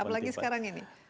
apalagi sekarang ini